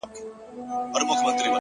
• له نارنج ګل له سنځل ګل څخه راغلي عطر ,